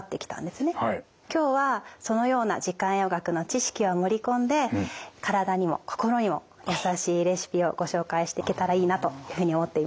今日はそのような時間栄養学の知識を盛り込んで体にも心にも優しいレシピをご紹介していけたらいいなというふうに思っています。